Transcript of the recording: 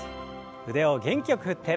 腕を元気よく振って。